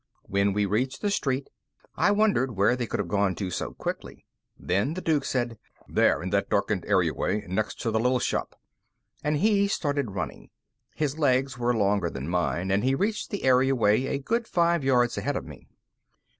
When we reached the street, I wondered where they could have gone to so quickly. Then the Duke said: "There! In that darkened area way next to the little shop!" And he started running. His legs were longer than mine, and he reached the area way a good five yards ahead of me.